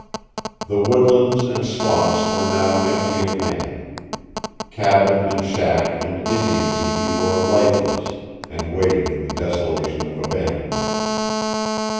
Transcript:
The woodlands and swamps were now empty of man. Cabin and shack and Indian tepee were lifeless, and waited in the desolation of abandonment.